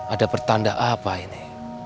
ada pertanda apa ini